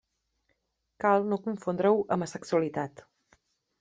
Cal no confondre-ho amb asexualitat.